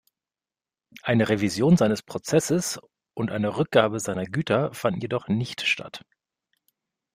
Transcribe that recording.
Eine Revision seines Prozesses und eine Rückgabe seiner Güter fanden jedoch nicht statt.